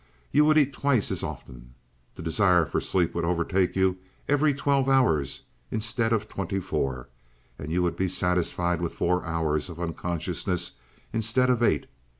You would eat twice as often. The desire for sleep would overtake you every twelve hours instead of twenty four, and you would be satisfied with four hours of unconsciousness instead of eight.